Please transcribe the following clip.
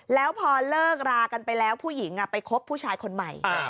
แล้วพอเลิกรากันไปแล้วผู้หญิงไปคบผู้ชายคนใหม่